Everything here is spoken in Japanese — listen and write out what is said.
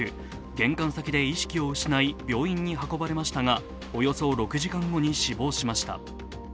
玄関先で意識を失い、病院に運ばれましたが、およそ６時間後に死亡しました。